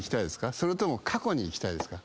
それとも過去に行きたいですか？